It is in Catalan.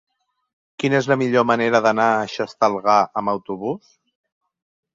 Quina és la millor manera d'anar a Xestalgar amb autobús?